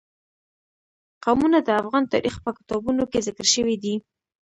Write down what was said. قومونه د افغان تاریخ په کتابونو کې ذکر شوی دي.